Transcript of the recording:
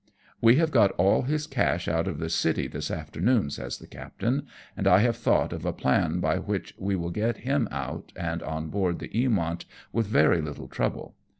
" "We have got all his cash out of the city this after noon," says the captain, " and I have thought of a plan by which we will get him out and on board the Eamont with very little trouble.